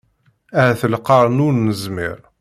Ahat lqern ur nemmẓir!